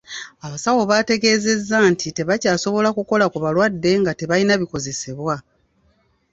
Abasawo bategeezezza nti tebakyasobola kukola ku balwadde nga tebalina bikozesebwa.